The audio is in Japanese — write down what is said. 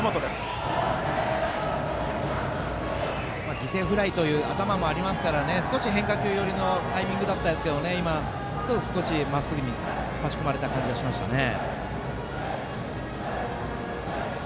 犠牲フライという頭もありますから少し変化球寄りのタイミングでしたが少しまっすぐに差し込まれた感じがしましたね。